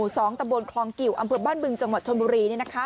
สองตะโบนคลองกิ๋วอำเผียบ้านบึงจังหวะชนบุรี